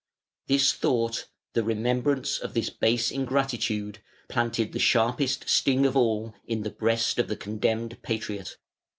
This thought, the remembrance of this base ingratitude, planted the sharpest sting of all in the breast of the condemned patriot.